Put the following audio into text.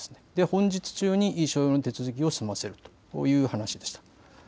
本日中に所要の手続きを済ませるという話でした。